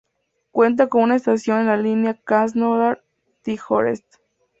Cuenta con una estación en la línea Krasnodar-Tijoretsk.